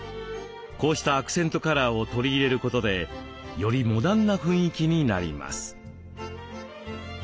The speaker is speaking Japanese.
こうしたアクセントカラーを取り入れることでよりモダンな雰囲気になります。